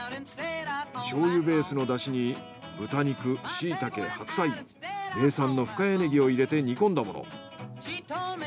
醤油ベースのだしに豚肉しいたけ白菜名産の深谷ねぎを入れて煮込んだもの。